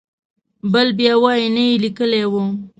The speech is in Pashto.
بل بیا وایي نه یې لیکلی و.